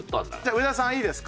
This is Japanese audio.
上田さんいいですか？